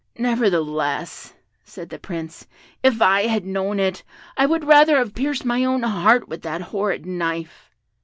"Nevertheless," said the Prince, "if I had known it, I would rather have pierced my own heart with that horrid knife!"